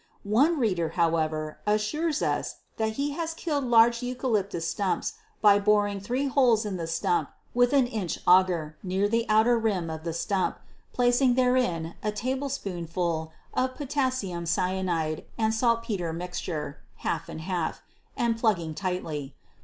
One reader, however, assures us that he has killed large eucalyptus stumps by boring three holes in the stump with an inch auger, near the outer rim of the stump, placing therein a tablespoonful of potassium cyanide and saltpeter mixture (half and half), and plugging tightly.